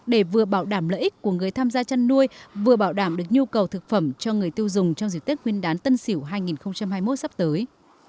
để vừa bảo đảm lợi ích của người tham gia chăn nuôi vừa bảo đảm được nhu cầu thực phẩm cho người tiêu dùng trong dịp tết nguyên đán tân sỉu hai nghìn hai mươi một sắp tới